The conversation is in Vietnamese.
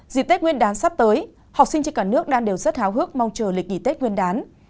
dịp tết nguyên đán sắp tới học sinh trên cả nước đang đều rất háo hức mong chờ lịch nghỉ tết nguyên đán